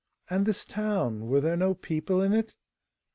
And this town, were there no people in it?"